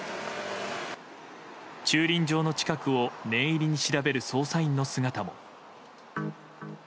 駐輪場の近くを念入りに調べる捜査員の姿も。